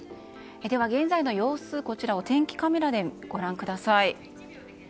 では、現在の様子をお天気カメラでご覧ください。